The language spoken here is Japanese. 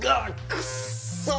くっそォ。